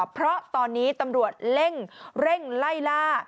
เพราะตอนนี้ตำรวจเร่งไล่ล่า